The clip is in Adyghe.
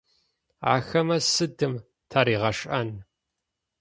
Ахэмэ сыдым таригъэшӏэн?